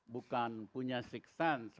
bukan punya sixth sense